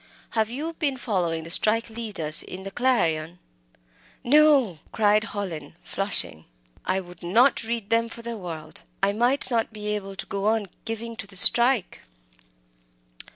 Have you been following the strike 'leaders' in the Clarion?" "No!" cried Hallin, flushing. "I would not read them for the world! I might not be able to go on giving to the strike."